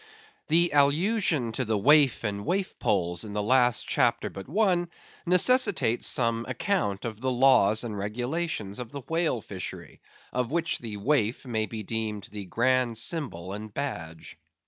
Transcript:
The allusion to the waif and waif poles in the last chapter but one, necessitates some account of the laws and regulations of the whale fishery, of which the waif may be deemed the grand symbol and badge.